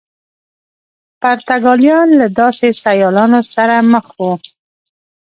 پرتګالیان له داسې سیالانو سره مخ وو.